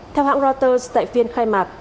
theo hãng reuters tại phiên khai mạc